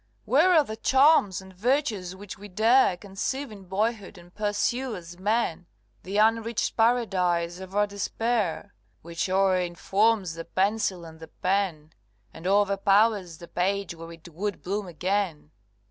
Where are the charms and virtues which we dare Conceive in boyhood and pursue as men, The unreached Paradise of our despair, Which o'er informs the pencil and the pen, And overpowers the page where it would bloom again.